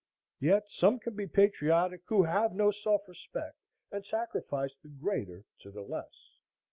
Yet some can be patriotic who have no self respect, and sacrifice the greater to the less.